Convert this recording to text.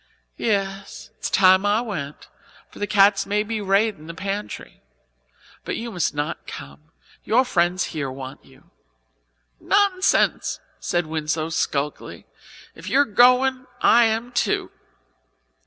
"Yes, it's time I went, for the cats may be raidin' the pantry. But you must not come; your friends here want you." "Nonsense!" said Winslow sulkily. "If you are going I am too."